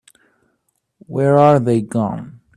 Where are they gone?